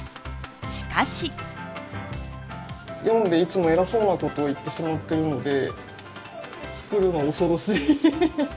しかし読んでいつも偉そうなことを言ってしまっているので作るの恐ろしい。